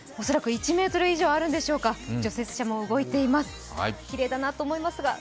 恐らく１ｍ以上あるんでしょうか、除雪車も動いています。